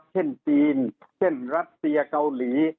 เช่นจีนเช่นรัสเซียเกาหลี